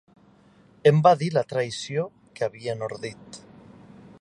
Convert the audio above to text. Em va dir la traïció que havien ordit.